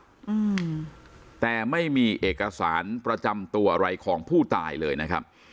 อืมแต่ไม่มีเอกสารประจำตัวอะไรของผู้ตายเลยนะครับ